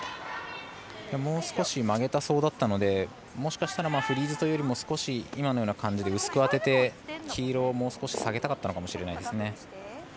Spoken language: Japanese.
もう少し曲げたそうだったのでもしかしたらフリーズというよりも少し今のような感じで薄く当てて黄色をもう少し下げたかったかもしれないですね。